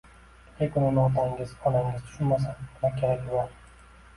lekin uni otangiz, onangiz tushunmasa, nima keragi bor?